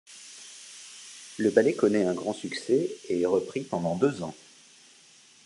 Le ballet connaît un grand succès et est repris pendant deux ans.